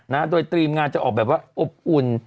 นะโดยตรีมงานจะออกแบบว่าอบอุ่น